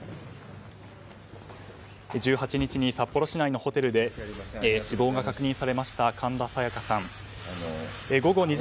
１８日に札幌市内のホテルで死亡が確認されました神田沙也加さん。